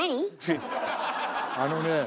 あのねえ。